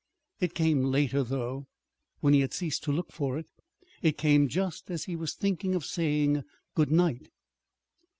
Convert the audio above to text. It came later, though, when he had ceased to look for it. It came just as he was thinking of saying good night.